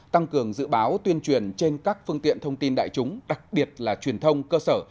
tăng cường dự báo tuyên truyền trên các phương tiện thông tin đại chúng đặc biệt là truyền thông cơ sở